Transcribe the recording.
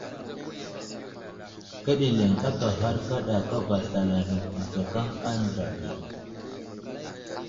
Ka ɗeleŋ aka ghar kaɗa kava slalane tə nzakaŋ a andra ge.